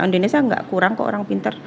indonesia gak kurang kok orang pintar